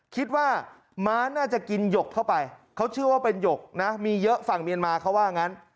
คิดว่าม้าน่าจะกินหยกเข้าไปเขาเชื่อว่าเป็นหยกนะมีเยอะฝั่งเมียนมาเขาว่างั้น